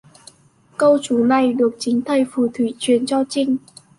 Câu chú này được chính thầy phù thủy chuyền cho Trinh